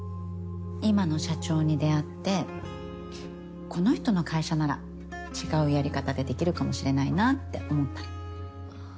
今の社長に出会ってこの人の会社なら違うやり方でできるかもしれないなって思ったの。